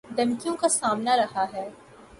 دھمکیوں کا سامنا رہا ہے